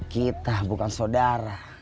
kita bukan saudara